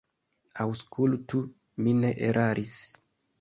Aŭskultu; mi ne eraris.